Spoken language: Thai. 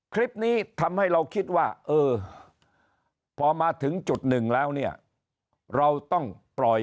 คลิปนี้ทำให้เราคิดว่าเออพอมาถึงจุดหนึ่งแล้วเนี่ยเราต้องปล่อย